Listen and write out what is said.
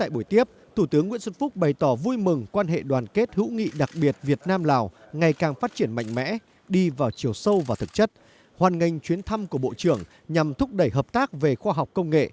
trong thủ tướng nguyễn xuân phúc bày tỏ vui mừng quan hệ đoàn kết hữu nghị đặc biệt việt nam lào ngày càng phát triển mạnh mẽ đi vào chiều sâu và thực chất hoàn nghênh chuyến thăm của bộ trưởng nhằm thúc đẩy hợp tác về khoa học công nghệ